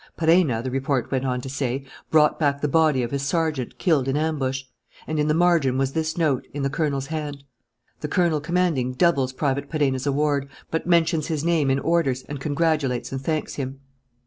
Perenna, the report went on to say, brought back the body of his sergeant, killed in ambush. And in the margin was this note, in the colonel's hand: "The colonel commanding doubles Private Perenna's award, but mentions his name in orders and congratulates and thanks him."